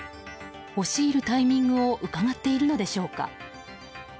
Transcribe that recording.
押し入るタイミングをうかがっているのでしょうか。